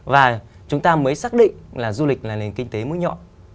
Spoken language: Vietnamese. và chúng ta mới xác định là du lịch là nền kinh tế mũi nhọn